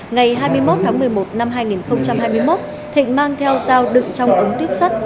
ngày hai mươi một tháng một mươi một năm hai nghìn hai mươi một thịnh mang theo dao đựng trong ống tiếp sắt